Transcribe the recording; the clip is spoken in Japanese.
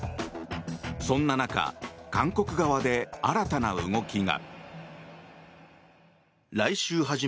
そんな中、韓国側で新たな動きが。